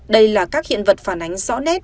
đây là các hiện vật phản ánh rõ nét